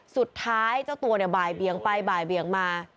สุดท้ายเจ้าตัวบ่ายเบียงไปบ่ายเบียงมา